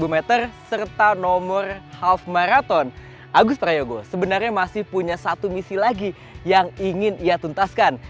dua puluh meter serta nomor half maraton agus prayogo sebenarnya masih punya satu misi lagi yang ingin ia tuntaskan